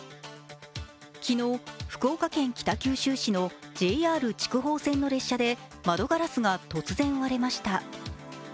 昨日、福岡県北九州市のＪＲ筑豊線の列車で窓ガラスが突然割れました。